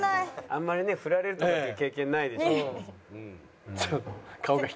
あんまりねフラれるとかっていう経験ないでしょ。